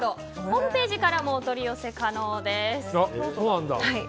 ホームページからもお取り寄せ可能です。